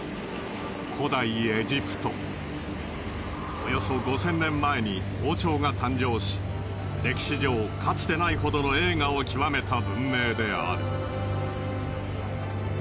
およそ５０００年前に王朝が誕生し歴史上かつてないほどの栄華を極めた文明である。